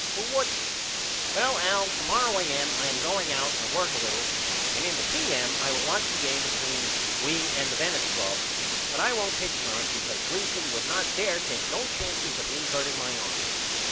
Who wouldn't? Well Al to morrow A.M. I am going out and work a little and in the P.M. I will watch the game between we and the Venice Club but I won't pitch none because Gleason would not dare take no chances of me hurting my arm.